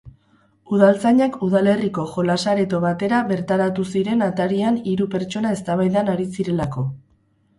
Udaltzainak udalerriko jolas-areto batera bertaratu ziren atarian hiru pertsona eztabaidan ari zirelako.